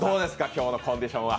今日のコンディションは？